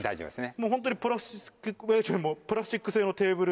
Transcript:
もうホントにプラスチック製のテーブル。